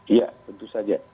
iya tentu saja